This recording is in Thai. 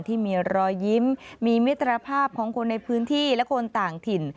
ที่มีรอยยิ้มมีมิตรภาพของคนในพื้นที่และคนต่างถิ่น